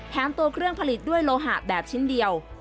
ตัวเครื่องผลิตด้วยโลหะแบบชิ้นเดียว